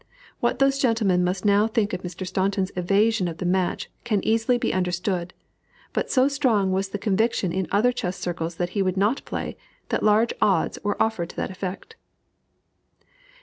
What those gentlemen must now think of Mr. Staunton's evasion of the match can easily be understood; but so strong was the conviction in other chess circles that he would not play, that large odds were offered to that effect.